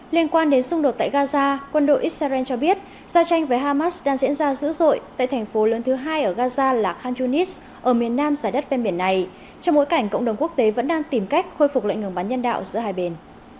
liên quan đến xung đột tại gaza quân đội israel cho biết giao tranh với hamas đang diễn ra dữ dội tại thành phố lớn thứ hai ở gaza là khanjunis ở miền nam giải đất ven biển này trong bối cảnh cộng đồng quốc tế vẫn đang tìm cách khôi phục lệnh ngừng bắn nhân đạo giữa hai bên